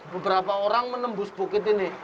beberapa orang menembus bukit ini